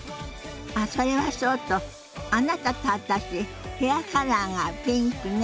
あっそれはそうとあなたと私ヘアカラーがピンクね。